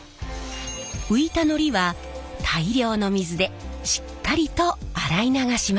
浮いたのりは大量の水でしっかりと洗い流します。